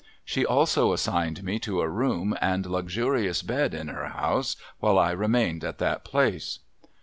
She also assigned me to a room and luxurious bed in her house while I remained at that place.